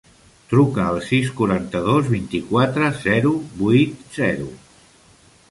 Truca al sis, quaranta-dos, vint-i-quatre, zero, vuit, zero.